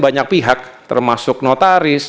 banyak pihak termasuk notaris